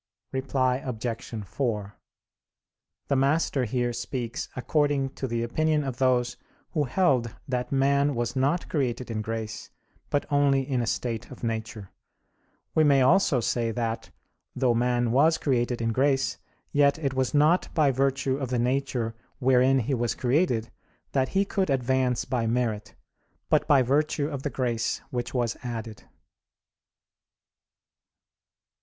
Reply Obj. 4: The Master here speaks according to the opinion of those who held that man was not created in grace, but only in a state of nature. We may also say that, though man was created in grace, yet it was not by virtue of the nature wherein he was created that he could advance by merit, but by virtue of the grace which was added.